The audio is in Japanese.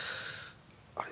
あれ？